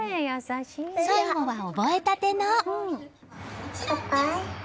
最後は覚えたての。